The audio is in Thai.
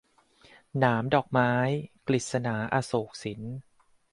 หนามดอกไม้ - กฤษณา อโศกสิน